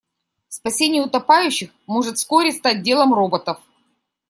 Спасение утопающих может вскоре стать делом роботов.